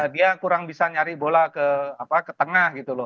dia kurang bisa nyari bola ke tengah gitu loh